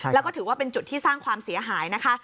แล้วก็ถือว่าเป็นจุดที่สร้างความเสียหายนะคะ